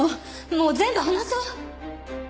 もう全部話そう。